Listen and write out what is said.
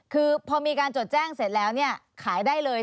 คือพอมีการจดแจ้งเสร็จแล้วเนี่ยขายได้เลย